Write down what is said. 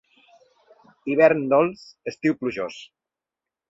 Hivern dolç, estiu plujós.